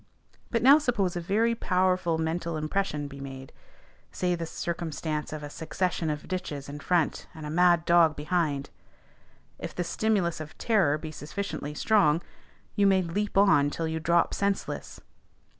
But now suppose a very powerful mental impression be made, say the circumstance of a succession of ditches in front, and a mad dog behind: if the stimulus of terror be sufficiently strong, you may leap on till you drop senseless.